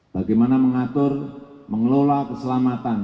bagaimana mengatur mengelola keselamatan